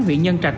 huyện nhân trạch